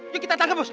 yuk kita tangkap bos